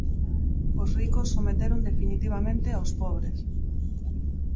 Os ricos someteron definitivamente aos pobres.